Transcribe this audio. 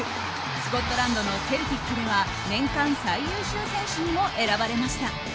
スコットランドのセルティックでは年間最優秀選手にも選ばれました。